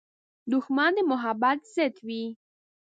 دښمن د محبت ضد وي